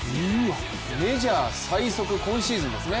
メジャー最速、今シーズンですね